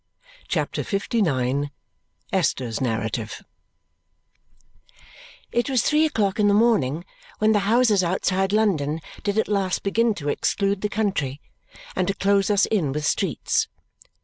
CHAPTER LIX Esther's Narrative It was three o'clock in the morning when the houses outside London did at last begin to exclude the country and to close us in with streets.